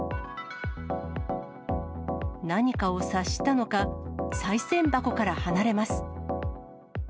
何かを察したのか、さい銭箱から離れます。